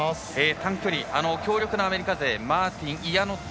短距離、強力なアメリカ勢マーティン、イアノッタ